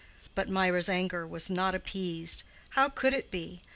But Mirah's anger was not appeased: how could it be?